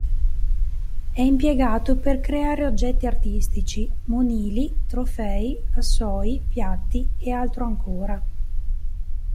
È impiegato per creare oggetti artistici, monili, trofei, vassoi, piatti, e altro ancora.